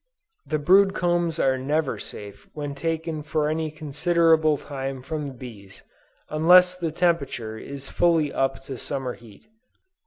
The brood combs are never safe when taken for any considerable time from the bees, unless the temperature is fully up to summer heat.